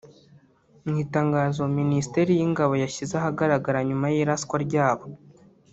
mu itangazo Minisiteri y'ingabo yashyize ahagaragara nyuma y'iraswa ryabo